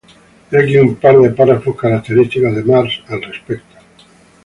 He aquí un par de párrafos característicos de Marx al respecto.